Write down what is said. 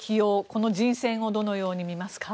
この人選をどのように見ますか？